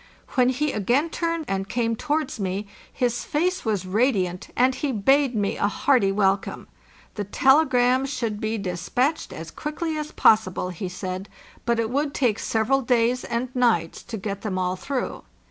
When he again turned and came towards me his face was radiant, and he bade me a hearty welcome. 'The tele grams should be despatched as quickly as possible, he said; but it would take several days and nights to get them all through.